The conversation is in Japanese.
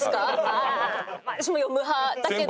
ああ私も読む派だけど。